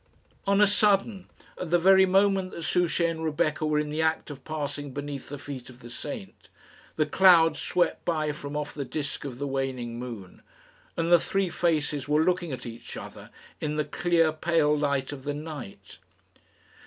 On a sudden, at the very moment that Souchey and Rebecca were in the act of passing beneath the feet of the saint, the clouds swept by from off the disc of the waning moon, and the three faces were looking at each other in the clear pale light of the night.